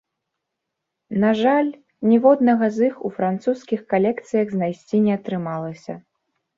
На жаль, ніводнага з іх у французскіх калекцыях знайсці не атрымалася.